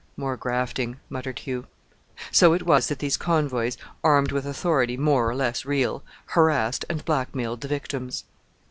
"More grafting," muttered Hugh. So it was that these convoys, armed with authority more or less real, harassed and blackmailed the victims.